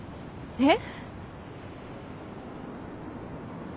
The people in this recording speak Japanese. えっ？